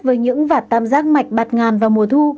với những vạt tam giác mạch bạt ngàn vào mùa thu